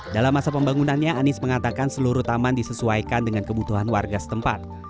dalam masa pembangunannya anies mengatakan seluruh taman disesuaikan dengan kebutuhan warga setempat